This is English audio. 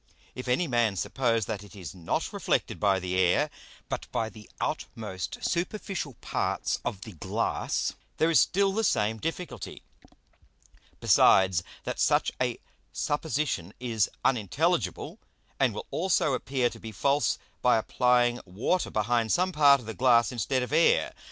If any Man suppose that it is not reflected by the Air, but by the outmost superficial parts of the Glass, there is still the same difficulty: Besides, that such a Supposition is unintelligible, and will also appear to be false by applying Water behind some part of the Glass instead of Air.